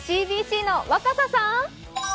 ＣＢＣの若狭さん。